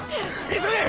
急げ！